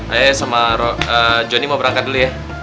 eh sama johnny mau berangkat dulu ya